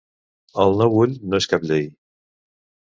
El «no vull» no és cap llei.